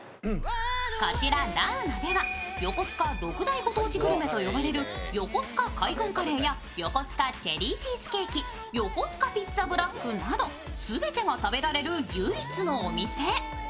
こちらＬＡＵＮＡでは、横須賀６大ご当地グルメと呼ばれるよこすか海軍カレーやヨコスカチェリーチーズケーキ、よこすかピッツァ・ブラックなど全てが食べられる唯一のお店。